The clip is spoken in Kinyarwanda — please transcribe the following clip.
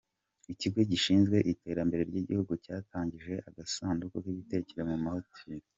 Ikigo gishinzwe iterambere ryigihugu cyatangije agasanduku k’ibitekerezo mu mahoteli